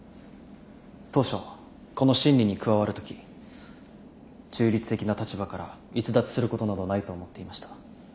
当初この審理に加わるとき中立的な立場から逸脱することなどないと思っていました。